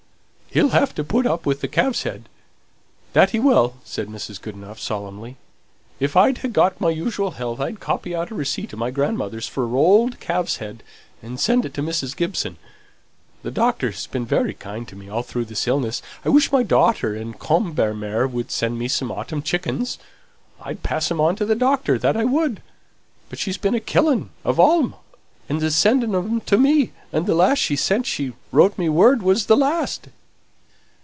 "He'll have to put up with calf's head, that he will," said Mrs. Goodenough, solemnly. "If I'd ha' got my usual health I'd copy out a receipt of my grandmother's for a rolled calf's head, and send it to Mrs. Gibson the doctor has been very kind to me all through this illness I wish my daughter in Combermere would send me some autumn chickens I'd pass 'em on to the doctor, that I would; but she's been a killing of 'em all, and a sending of them to me, and the last she sent she wrote me word was the last."